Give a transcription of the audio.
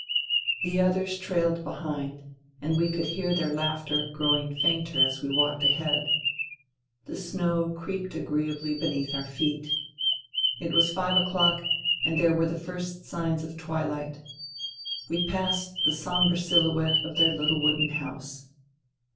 The others trailed behind, and we could hear their laughter growing fainter as we walked ahead. The snow creaked agreeably beneath our feet. It was five o'clock and there were the first signs of twilight. We passed the sombre silhouette of their little wooden house.